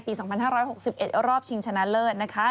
ปี๒๕๖๑รอบชิงชนะเลิศนะคะ